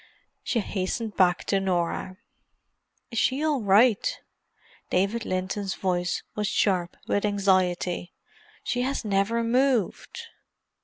She hastened back to Norah. "Is she all right?" David Linton's voice was sharp with anxiety. "She has never moved."